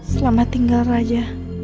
selamat tinggal raja